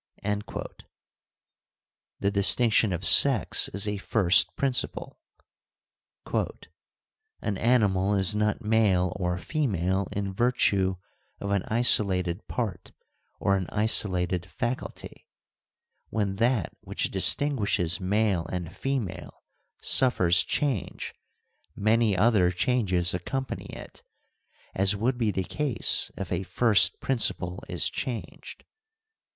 * The distinction of sex is a first principle : An animal is not male or female in virtue of an isolated part or an isolated faculty : when that which distin guishes male and female suffers change many other changes accompany it, as would be the case if a first principle is changed.